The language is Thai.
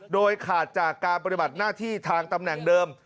โดยขาดจากการปฏิบัติหน้าที่ทางตำแหน่งเดิม